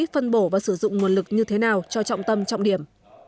phân bổ và sử dụng nguồn lực như thế nào cho trọng tâm trọng điểm